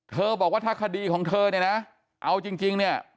บอกว่าถ้าคดีของเธอเนี่ยนะเอาจริงเนี่ย